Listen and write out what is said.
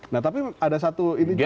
nah tapi ada satu ini juga